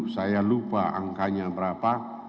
saya lupa angkanya berapa